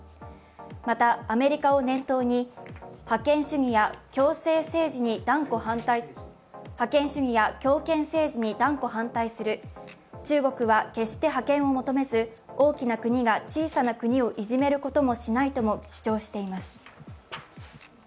また、アメリカを念頭に覇権主義や強権政治に断固反対する、中国は決して覇権を求めず、大きな国が小さな国をいじめることもしないとも主張しています。